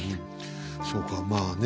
そうかまあね